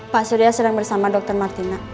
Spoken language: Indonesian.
pak surya sedang bersama dr martina